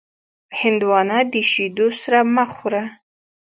هندوانه د شیدو سره مه خوره.